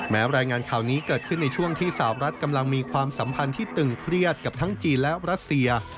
รายงานข่าวนี้เกิดขึ้นในช่วงที่สาวรัฐกำลังมีความสัมพันธ์ที่ตึงเครียดกับทั้งจีนและรัสเซีย